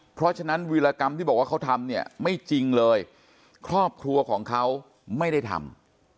เพราะฉะนั้นวิรากรรมที่บอกว่าเขาทำเนี่ยไม่จริงเลยครอบครัวของเขาไม่ได้ทำ